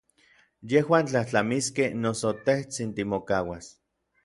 Yejuan tlajtlamiskej, noso tejtsin timokauas.